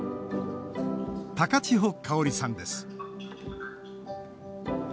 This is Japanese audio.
高千穂香織さんです。